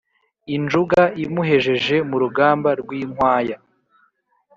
Injunga imuhejeje mu rugamba rw’inkwaya